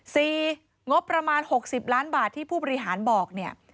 งบประมาณหกสิบล้านบาทที่ผู้บริหารบอกเนี่ย